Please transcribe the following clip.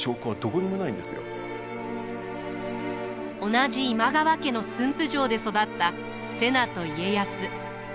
同じ今川家の駿府城で育った瀬名と家康。